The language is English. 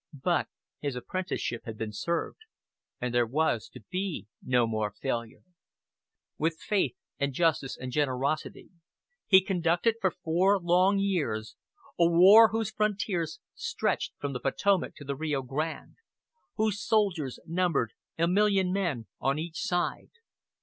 But his apprenticeship had been served, and there was to be no more failure. With faith and justice and generosity he conducted for four long years a war whose frontiers stretched from the Potomac to the Rio Grande; whose soldiers numbered a million men on each side.